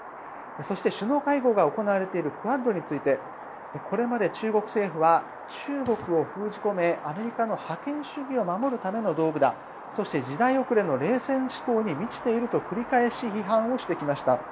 そして、首脳会合が行われているクアッドについてこれまで中国政府は中国を封じ込めアメリカの覇権主義を守るための道具だそして、時代遅れの冷戦思考に満ちていると繰り返し批判をしてきました。